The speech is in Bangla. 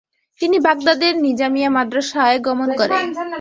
তিনি বাগদাদের নিজামিয়া মাদ্রাসায় গমন করে।